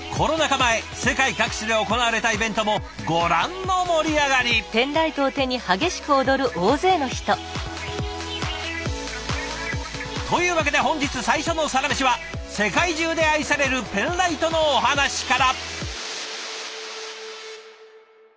前世界各地で行われたイベントもご覧の盛り上がり！というわけで本日最初のサラメシは世界中で愛されるペンライトのお話から。